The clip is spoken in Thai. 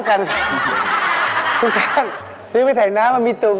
คุณชาติซื้อไปใส่น้ำมันมีตุ่ม